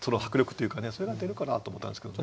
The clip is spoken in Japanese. それが出るかなと思ったんですけどね。